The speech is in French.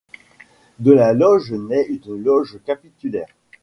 De la loge naît une loge capitulaire.